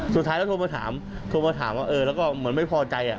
สุดท้ายแล้วโทรมาถามโทรมาถามว่าเออแล้วก็เหมือนไม่พอใจ